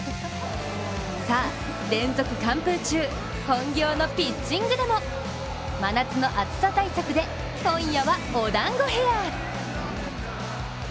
さあ連続完封中、本業のピッチングでも真夏の暑さ対策で今夜はおだんごヘア。